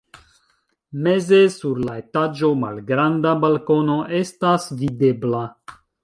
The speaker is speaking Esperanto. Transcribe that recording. Meze sur la etaĝo malgranda balkono estas videbla.